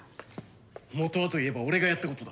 元はといえば俺がやったことだ。